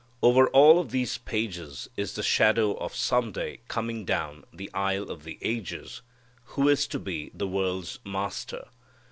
Over all of these pages is the shadow of Somebody coming down the aisle of the ages, who is to be the world's Master.